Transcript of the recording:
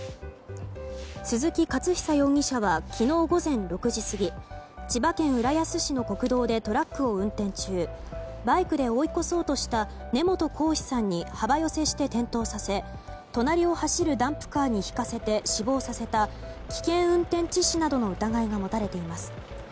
鈴木勝久容疑者は昨日午前６時過ぎ千葉県浦安市の国道でトラックを運転中バイクで追い越そうとした根本光士さんに幅寄せして転倒させ隣を走るダンプカーにひかせて死亡させた危険運転致死などの疑いが持たれています。